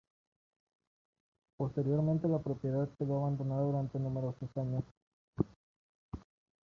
Posteriormente la propiedad quedó abandonada durante numerosos años.